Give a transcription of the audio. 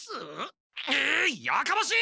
えいやかましい！